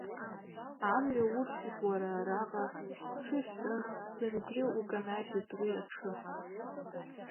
Амҩа урҭеит уара араҟа уҽыжәҵан, зынгьы уканажьит уи аҽы.